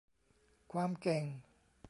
ความเก่ง